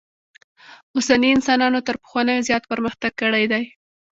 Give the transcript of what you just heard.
اوسني انسانانو تر پخوانیو زیات پرمختک کړی دئ.